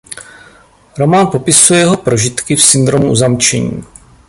Román popisuje jeho prožitky v syndromu uzamčení.